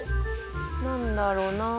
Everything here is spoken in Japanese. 何だろうな？